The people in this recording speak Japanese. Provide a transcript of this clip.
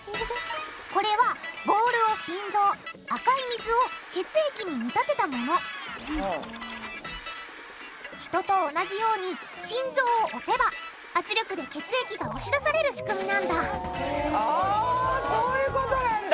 これはボールを心臓赤い水を血液に見立てたもの人と同じように心臓を押せば圧力で血液が押し出される仕組みなんだあそういうことなんだ。